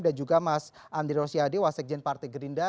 dan juga mas andri rosyad wasek jn partai gerindra